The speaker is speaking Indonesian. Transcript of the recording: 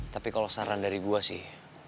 tapi kalau saran dari gue sih